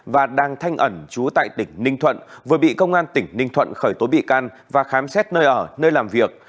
và đang thanh ẩn trú tại tỉnh ninh thuận vừa bị công an tỉnh ninh thuận khởi tố bị can và khám xét nơi ở nơi làm việc